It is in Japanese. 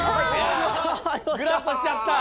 グラッとしちゃった。